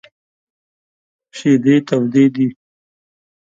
شیدې تودې دي !